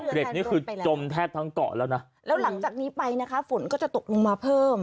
นี่คือจมแทบทั้งเกาะแล้วนะแล้วหลังจากนี้ไปนะคะฝนก็จะตกลงมาเพิ่ม